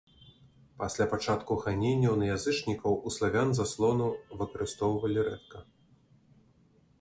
Пасля пачатку ганенняў на язычнікаў у славян заслону выкарыстоўвалі рэдка.